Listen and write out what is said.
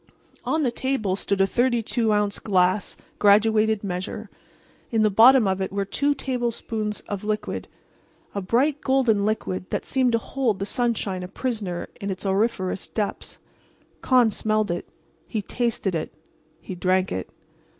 On the table stood a 32 ounce glass graduated measure. In the bottom of it were two tablespoonfuls of liquid—a bright golden liquid that seemed to hold the sunshine a prisoner in its auriferous depths. Con smelled it. He tasted it. He drank it.